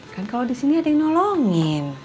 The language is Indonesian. kan kalau di sini ada yang nolongin